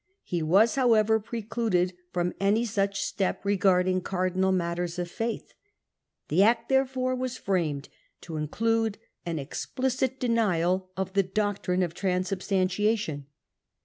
He Act^March was h° wever precluded from any such step a 9» *673. regarding cardinal matters of faith. The Act therefore was framed to include an explicit denial of the doctrine of Transubstantiation.